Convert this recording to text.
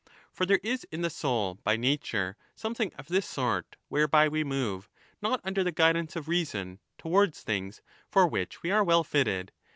For there is in the soul by nature something of this sort whereby we move, not under the guidance of reason, towards things for which we are well fitted.